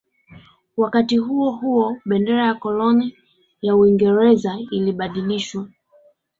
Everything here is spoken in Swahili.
Wakati huo huo bendera ya kikoloni ya Uingereza ilibadilishwa